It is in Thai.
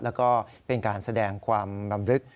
แล้วก็เป็นการแสดงความบรำลึก